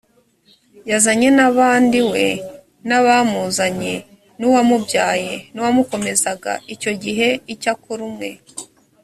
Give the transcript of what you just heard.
yazanye n abandi we n abamuzanye n uwamubyaye n uwamukomezaga icyo gihe icyakora umwe